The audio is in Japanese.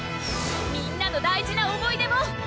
みんなの大事な思い出も！